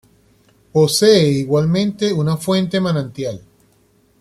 Posee igualmente una fuente manantial.